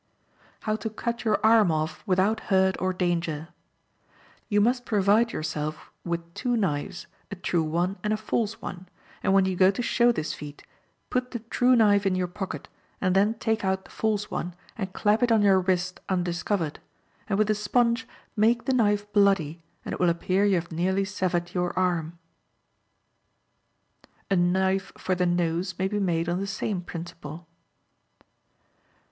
How to Cut Your Arm Off Without Hurt or Danger.—You must provide yourself with two knives, a true one and a false one, and when you go to show this feat, put the true knife in your pocket, and then take out the false and clap it on your wrist undiscovered, and with a sponge make the knife bloody, and it will appear you have nearly severed your arm. A knife for the nose may be made on the same principle.